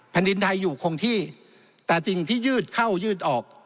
แผ่นดินไทยอยู่คงที่แต่สิ่งที่ยืดเข้ายืดออก